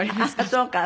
そうか。